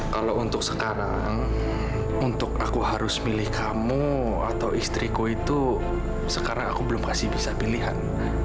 kalau untuk sekarang untuk aku harus milih kamu atau istriku itu sekarang aku belum kasih bisa pilihan